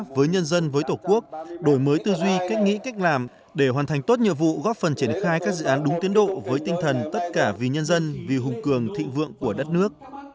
với nhân dân với tổ quốc đổi mới tư duy cách nghĩ cách làm để hoàn thành tốt nhiệm vụ góp phần triển khai các dự án đúng tiến độ với tinh thần tất cả vì nhân dân vì hùng cường thịnh vượng của đất nước